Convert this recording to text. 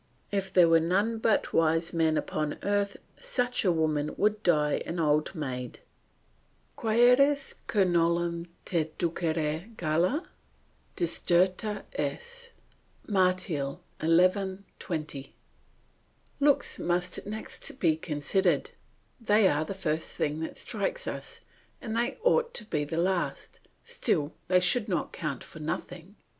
If there were none but wise men upon earth such a woman would die an old maid. "Quaeris cur nolim te ducere, galla? diserta es." Martial xi. 20. Looks must next be considered; they are the first thing that strikes us and they ought to be the last, still they should not count for nothing.